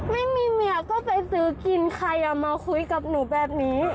ไม่มีเมียก็ไปซื้อกินใครเอามาคุยกับหนูแบบนี้